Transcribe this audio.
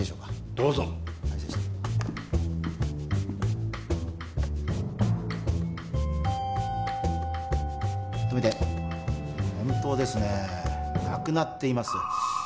どうぞ再生して止めて本当ですねなくなっています